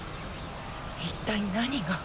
一体何が。